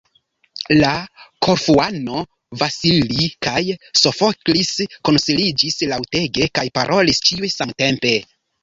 La Korfuano, Vasili kaj Sofoklis konsiliĝis laŭtege kaj parolis ĉiuj samtempe.